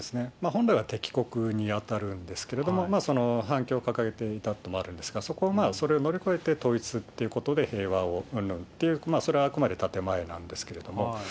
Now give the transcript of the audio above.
本来は敵国に当たるんですけれども、反共を掲げていたというのもあるんですが、そこを乗り越えて統一っていうことで、平和をうんぬんっていう、それはあくまで建て前なんですけども。